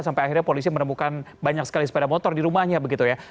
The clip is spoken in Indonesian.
sampai akhirnya polisi menemukan banyak sekali sepeda motor di rumahnya begitu ya